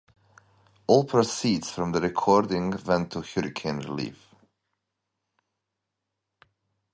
All proceeds from the recording went to hurricane relief.